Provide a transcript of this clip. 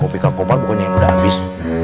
kopi kak kopar pokoknya udah habis